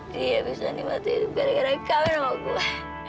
dia bisa nih mati hidup gara gara yang kawin sama gue